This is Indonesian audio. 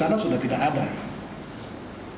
akses masuk sudah diblokir oleh kelompok bersenjata